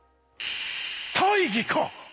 大義か！